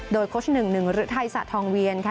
โดยโค้ชหนึ่งหนึ่งหรือไทยศาสตร์ทองเวียนค่ะ